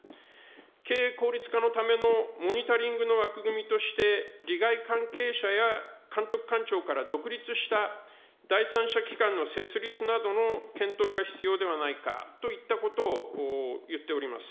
経営効率化のための、モニタリングの枠組みとして、利害関係者や監督官庁から独立した第三者機関の設立などの検討が必要ではないかといったことを言っております。